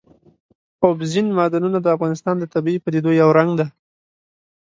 اوبزین معدنونه د افغانستان د طبیعي پدیدو یو رنګ دی.